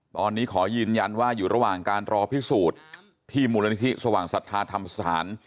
ตอนนี้ขอยืนยันว่าอยู่ระหว่างการรอพิสูจน์ที่มูลนิธิสว่างศรัทธาธรรมสถาน